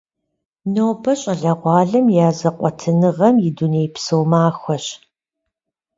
Нобэ щӏалэгъуалэм я зэкъуэтыныгъэм и дунейпсо махуэщ.